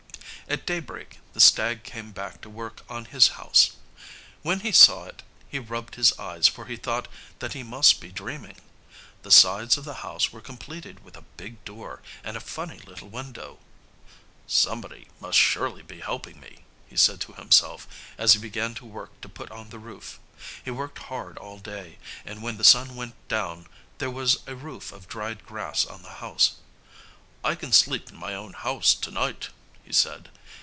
At daybreak the stag came back to work on his house. When he saw it he rubbed his eyes for he thought that he must be dreaming. The sides of the house were completed with a big door and a funny little window. "Somebody must surely be helping me," he said to himself as he began to work to put on the roof. He worked hard all day and when the sun went down, there was a roof of dried grass on the house. "I can sleep in my own house to night," he said.